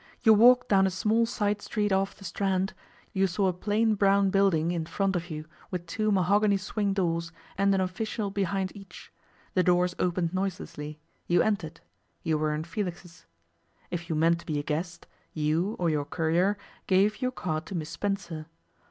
You walked down a small side street off the Strand, you saw a plain brown building in front of you, with two mahogany swing doors, and an official behind each; the doors opened noiselessly; you entered; you were in Felix's. If you meant to be a guest, you, or your courier, gave your card to Miss Spencer.